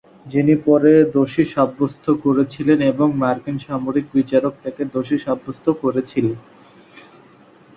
যিনি পরে দোষী সাব্যস্ত করেছিলেন এবং মার্কিন সামরিক বিচারক তাকে দোষী সাব্যস্ত করেছিলেন।